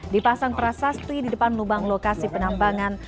dipasang prasasti di depan lubang lokasi penambangan